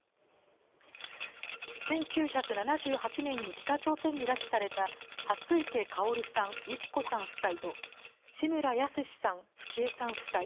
１９７８年に北朝鮮に拉致された蓮池薫さん、祐木子さん夫妻と、地村保志さん、富貴恵さん夫妻。